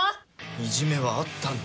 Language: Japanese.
いじめはあったんだ。